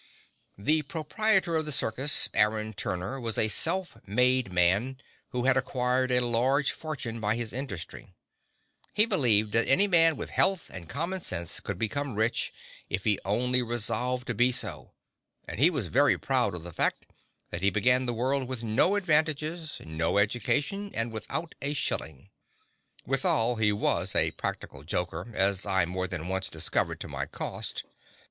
The proprietor of the circus, Aaron Turner, was a self made man, who had acquired a large fortune by his industry. He believed that any man with health and common sense could become rich if he only resolved to be so, and he was very proud of the fact that he began the world with no advantages, no education, and without a shilling. Withal, he was a practical joker, as I more than once discovered to my cost.